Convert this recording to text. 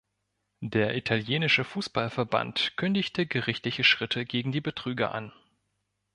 Der Italienische Fußballverband kündigte gerichtliche Schritte gegen die Betrüger an.